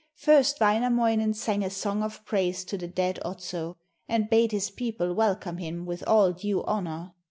First Wainamoinen sang a song of praise to the dead Otso, and bade his people welcome him with all due honour.